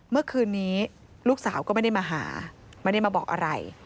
เมื่อคืนนี้ลูกสาวก็ไม่ได้มาหาไม่ได้มาบอกอะไร